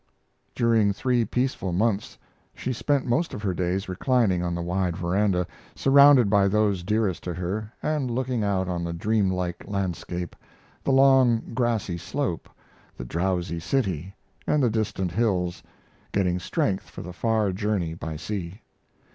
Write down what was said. During three peaceful months she spent most of her days reclining on the wide veranda, surrounded by those dearest to her, and looking out on the dreamlike landscape the long, grassy slope, the drowsy city, and the distant hills getting strength for the far journey by sea.